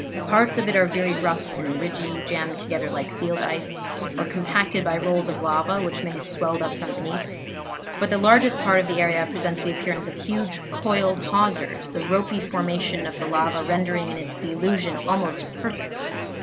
Parts of it are very rough and ridgy, jammed together like field ice, or compacted by rolls of lava, which may have swelled up from beneath; but the largest part of the area presents the appearance of huge coiled hawsers, the ropy formation of the lava rendering the illusion almost perfect.